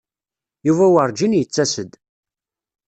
Yuba werǧin yettas-d.